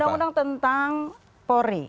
undang undang tentang pori